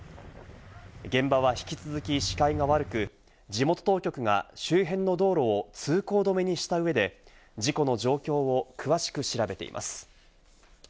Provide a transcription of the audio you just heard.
現場は引き続き視界が悪く、地元当局が周辺の道路を通行止めにした上で事故の状況を詳しく調べています。